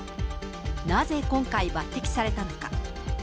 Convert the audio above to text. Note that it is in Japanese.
なぜ今回、抜てきされたのか。